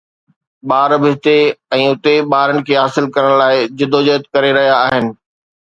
ٻار به هتي ۽ اتي ٻارن کي حاصل ڪرڻ لاء جدوجهد ڪري رهيا آهن